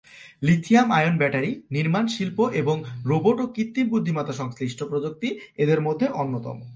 Lithium ion battery নির্মাণ শিল্প এবং রোবট ও কৃত্রিম বুদ্ধিমত্তা সংশ্লিষ্ট প্রযুক্তি এদের মধ্যে অন্যতম।